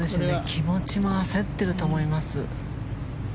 気持ちも焦っていると思います。